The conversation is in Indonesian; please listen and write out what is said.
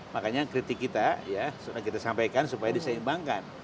makanya kritik kita ya sudah kita sampaikan supaya diseimbangkan